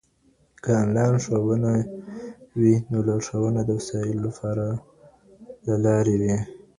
که انلاین ښوونه وي، نو لارښوونه د وسایلو له لاري وي.